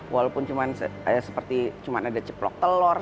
walaupun cuma seperti cuma ada ceplok telur